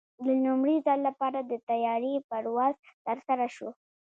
د لومړي ځل لپاره د طیارې پرواز ترسره شو.